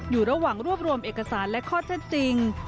อยู่ระหว่างรวบรวมเอกสารและข้อเท็จจริง